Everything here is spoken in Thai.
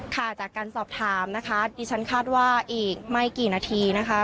ค่ะจากการสอบถามนะคะดิฉันคาดว่าอีกไม่กี่นาทีนะคะ